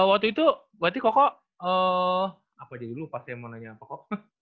waktu itu berarti koko apa dia dulu pasti yang mau nanya apa koko